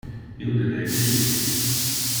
Io deveni ric.